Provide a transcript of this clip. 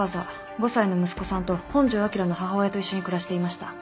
５歳の息子さんと本庄昭の母親と一緒に暮らしていました。